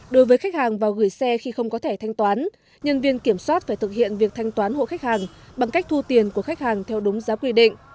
đối với khách hàng vào gửi xe khi không có thẻ thanh toán nhân viên kiểm soát phải thực hiện việc thanh toán hộ khách hàng bằng cách thu tiền của khách hàng theo đúng giá quy định